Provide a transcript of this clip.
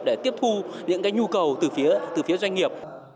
để tiếp thu những nhu cầu từ phía doanh nghiệp